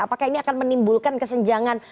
apakah ini akan menimbulkan kesenjangan